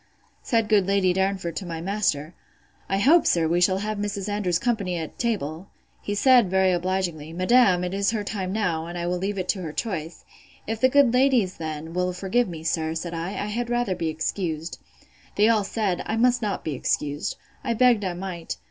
Said good Lady Darnford, to my master, I hope, sir, we shall have Mrs. Andrews's company at table. He said, very obligingly, Madam, it is her time now; and I will leave it to her choice. If the good ladies, then, will forgive me, sir, said I, I had rather be excused. They all said, I must not be excused. I begged I might.